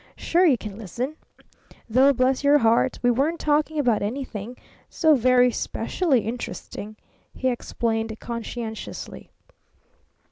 Sure you can listen! Though, bless your heart, we weren't talking about anything so very specially interesting," he explained conscientiously.